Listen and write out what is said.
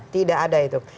tidak ada itu